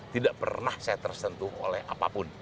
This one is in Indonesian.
tidak pernah saya tersentuh oleh apapun